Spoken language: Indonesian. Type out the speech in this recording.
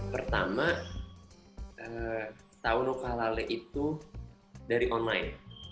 pertama tahu nucalale itu dari online